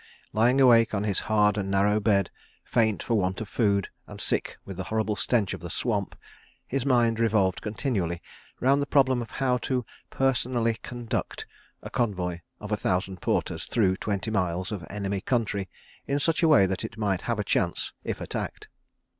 Lying awake on his hard and narrow bed, faint for want of food, and sick with the horrible stench of the swamp, his mind revolved continually round the problem of how to "personally conduct" a convoy of a thousand porters through twenty miles of enemy country in such a way that it might have a chance if attacked.